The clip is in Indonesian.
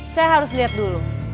saya harus lihat dulu